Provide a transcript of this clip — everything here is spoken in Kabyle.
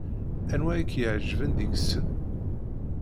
Anwa ay k-iɛejben deg-sen?